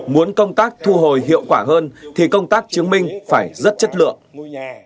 muốn công tác thu hồi hiệu quả hơn thì công tác chứng minh phải rất chất lượng